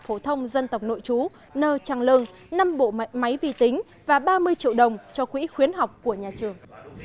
phổ thông dân tộc nội chú nơi trang lương năm bộ máy vi tính và ba mươi triệu đồng cho quỹ khuyến học của nhà trường